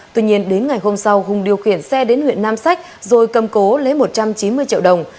tuy nhiên đến ngày hôm sau hùng điều khiển xe đến huyện nam sách rồi cầm cố lấy một trăm chín mươi triệu đồng